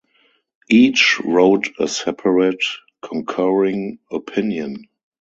Each wrote a separate concurring opinion.